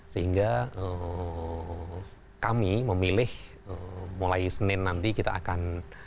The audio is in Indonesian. sehingga kami memilih mulai senin nanti kita akan